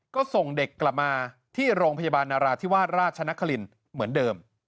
ก็ส่งเด็กกลับมาที่โรงพยาบาลนาราธิวาสราชนครินเหมือนเดิม